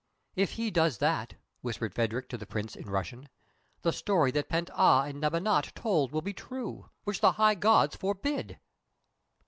"If he does that," whispered Phadrig to the Prince in Russian, "the story that Pent Ah and Neb Anat told will be true which the High Gods forbid!"